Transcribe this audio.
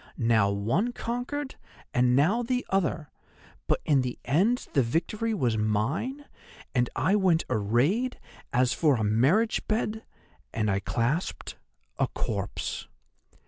Now one conquered, and now the other; but in the end the victory was mine, and I went arrayed as for a marriage bed—and I clasped a corpse.